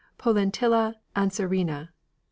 Potentilla anserina, L.